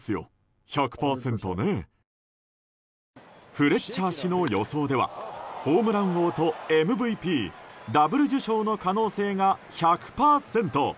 フレッチャー氏の予想ではホームラン王とＭＶＰダブル受賞の可能性が１００％。